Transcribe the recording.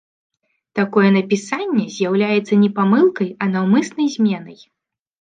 Такое напісанне з'яўляецца не памылкай, а наўмыснай зменай.